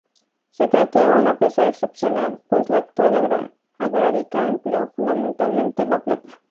Se trata de una pieza excepcional, pues la cultura argárica empleó fundamentalmente la plata.